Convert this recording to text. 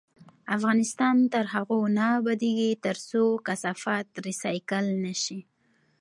افغانستان تر هغو نه ابادیږي، ترڅو کثافات ریسایکل نشي.